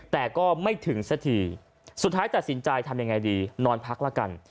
แต่ก็ไม่ถึงสักทีสุดท้ายตัดสินใจทำยังไงดีนอนพักละกัน